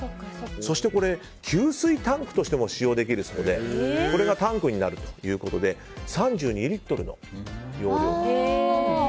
そして、給水タンクとしても使用できるそうでこれがタンクになるということで３２リットルの容量。